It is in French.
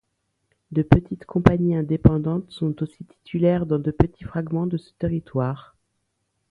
De petites compagnies indépendantes sont aussi titulaires dans de petits fragments de ce territoire.